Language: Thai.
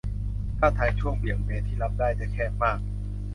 ท่าทางช่วงเบี่ยงเบนที่รับได้ จะแคบมาก